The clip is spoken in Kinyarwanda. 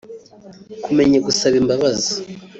Kumenya gusaba imbabazi